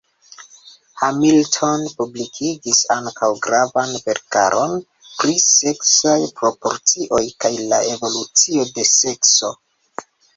Hamilton publikigis ankaŭ gravan verkaron pri seksaj proporcioj kaj la evolucio de sekso.